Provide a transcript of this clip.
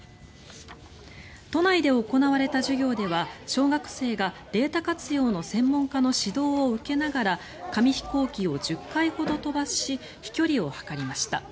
都内で行われた授業では小学生がデータ活用の専門家の指導を受けながら紙飛行機を１０回ほど飛ばし飛距離を測りました。